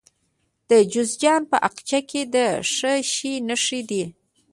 د جوزجان په اقچه کې د څه شي نښې دي؟